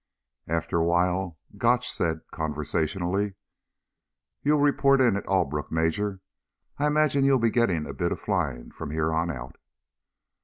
After a while Gotch said conversationally: "You'll report in at Albrook, Major. I imagine you'll be getting in a bit of flying from here on out."